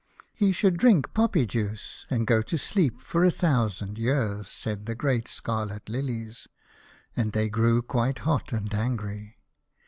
"He should drink poppy juice, and go to sleep for a thousand years," said the great scarlet Lilies, and they grew quite hot and angry.